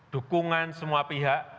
dukungan semua pihak